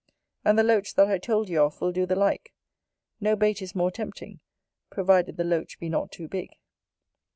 And the Loach that I told you of will do the like: no bait is more tempting, provided the Loach be not too big.